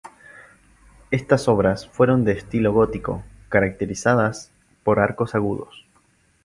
Estas obras fueron de estilo gótico, caracterizadas por arcos agudos.